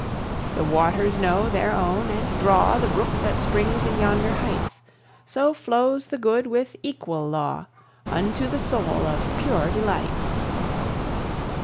The waters know their own and draw The brook that springs in yonder heights; So flows the good with equal law Unto the soul of pure delights.